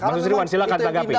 mas ruan silahkan tanggapi